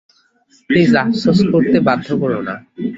Please আফসোস করতে বাধ্য কোরো না।